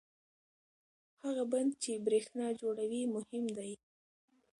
هغه بند چې برېښنا جوړوي مهم دی.